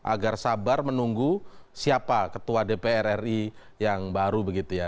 agar sabar menunggu siapa ketua dpr ri yang baru begitu ya